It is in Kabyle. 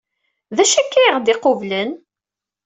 D acu akka ay aɣ-d-iqublen?